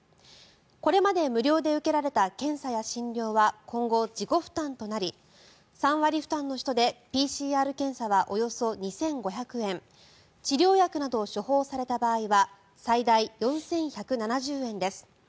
これまで無料で受けられた検査や診療は今後、自己負担となり３割負担の人でＰＣＲ検査はおよそ２５００円治療薬など処方された場合は最大４１７０円です。